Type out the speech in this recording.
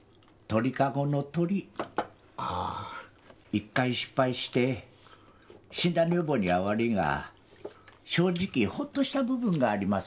１回失敗して死んだ女房には悪いが正直ほっとした部分がありますよ。